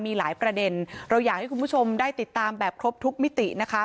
มีหลายประเด็นเราอยากให้คุณผู้ชมได้ติดตามแบบครบทุกมิตินะคะ